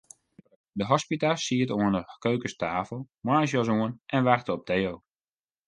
De hospita siet oan 'e keukenstafel, moarnsjas oan, en wachte op Theo.